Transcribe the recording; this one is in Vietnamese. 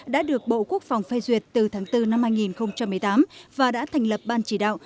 đã được bộ quốc phòng phê duyệt từ tháng bốn năm hai nghìn một mươi tám và đã thành lập ban chỉ đạo